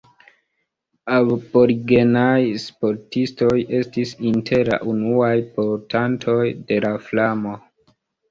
Aborigenaj sportistoj estis inter la unuaj portantoj de la flamo.